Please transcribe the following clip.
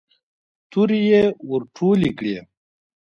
تورې يې ور ټولې کړې.